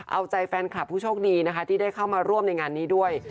เอาใจแฟนคลับผู้โชคดีนะคะที่ได้เข้ามาร่วมในงานนี้ด้วย